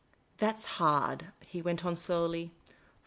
•' That 's hard," he went on, slowly.